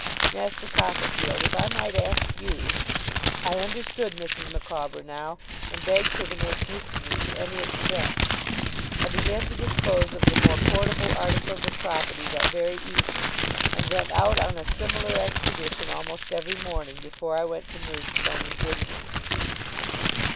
Master Copperfield, if I might ask you ' I understood Mrs. Micawber now, and begged her to make use of me to any extent. I began to dispose of the more portable articles of property that very evening; and went out on a similar expedition almost every morning, before I went to Murdstone and Grinby's.